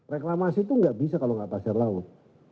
reklamasi itu gak bisa kalau gak pasir laut